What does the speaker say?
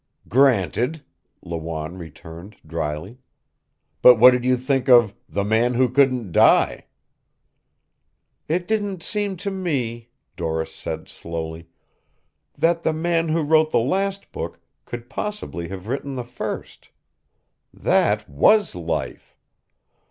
"Granted," Lawanne returned dryly. "But what did you think of 'The Man Who Couldn't Die'?" "It didn't seem to me," Doris said slowly, "that the man who wrote the last book could possibly have written the first. That was life.